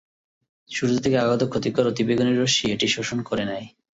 সূর্য থেকে আগত ক্ষতিকর অতিবেগুনী রশ্মি এটি শোষণ করে নেয়।